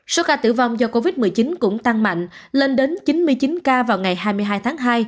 số ca tử vong do covid một mươi chín cũng tăng mạnh lên đến chín mươi chín ca vào ngày hai mươi hai tháng hai